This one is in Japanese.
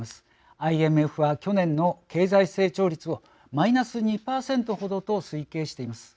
ＩＭＦは去年の経済成長率をマイナス２％程と推計しています。